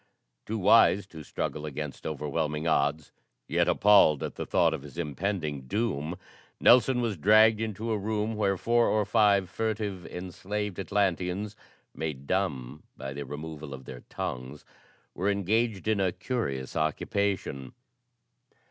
Too wise to struggle against overwhelming odds, yet appalled at the thought of his impending doom, Nelson was dragged into a room where four or five furtive, enslaved Atlanteans, made dumb by the removal of their tongues, were engaged in a curious occupation.